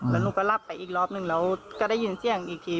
แล้วหนูก็หลับไปอีกรอบหนึ่งแล้วก็ได้ยินเสียงอีกที